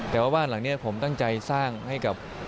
แต่ว่าบ้านหลังนี้ผมตั้งใจสร้างให้กับ